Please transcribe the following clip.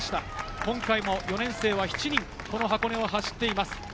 今回も４年生は７人箱根を走っています。